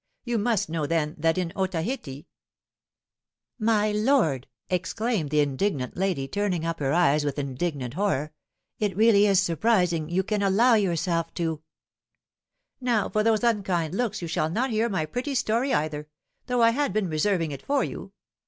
You must know, then, that in Otaheite " "My lord," exclaimed the indignant lady, turning up her eyes with indignant horror, "it really is surprising you can allow yourself to " "Now for those unkind looks you shall not hear my pretty story either, though I had been reserving it for you.